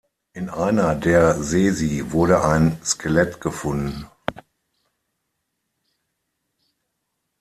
In einer der Sesi wurde ein Skelett gefunden.